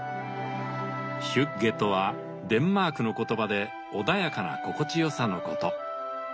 ヒュッゲとはデンマークの言葉で穏やかな心地よさのこと。